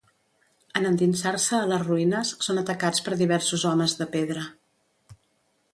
En endinsar-se a les ruïnes, són atacats per diversos homes de pedra.